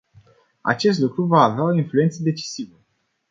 Acest lucru va avea o influență decisivă.